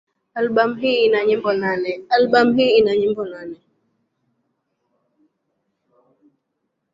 Albamu hii ina nyimbo nane.